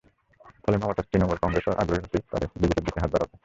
ফলে, মমতার তৃণমূল কংগ্রেসও আগ্রহী হতেই পারে বিজেপির দিকে হাত বাড়াতে।